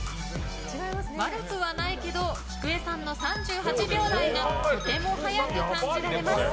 悪くはないけど、きくえさんの３８秒台がとても速く感じられます。